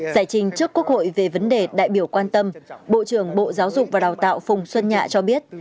giải trình trước quốc hội về vấn đề đại biểu quan tâm bộ trưởng bộ giáo dục và đào tạo phùng xuân nhạ cho biết